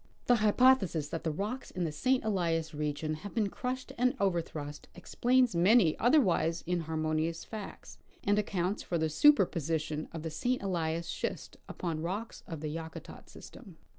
The hypothesis that the rocks in the St. Elias region have been crushed and overthrust explains many otherwise inhar Coal ill tJie Yakutat System. 169 monious facts, and accounts for the superposition of the St. Ehas schist upon rocks of the Yakutat system.